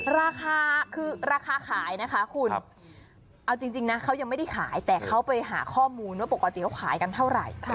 ราคาคือราคาขายนะคะคุณเอาจริงนะเขายังไม่ได้ขายแต่เขาไปหาข้อมูลว่าปกติเขาขายกันเท่าไหร่